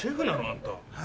あんた。